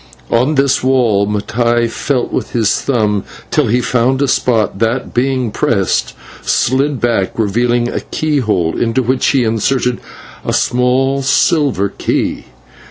On this wall Mattai felt with his thumb, till he found a spot that, being pressed, slid back, revealing a keyhole into which he inserted a small silver key.